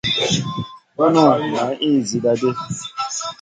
Bunu may ìhn zida di.